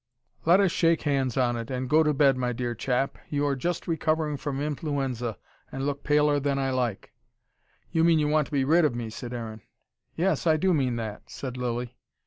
"Let us shake hands on it and go to bed, my dear chap. You are just recovering from influenza, and look paler than I like." "You mean you want to be rid of me," said Aaron. "Yes, I do mean that," said Lilly.